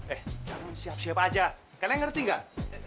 eh jangan siap siap aja kalian ngerti gak